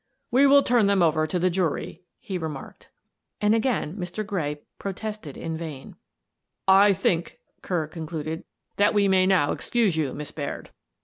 "We will turn them over to the jury," he re marked. And again Mr. Gray protested in vain. " I think," Kerr concluded, " that we may now excuse you, Miss Baird."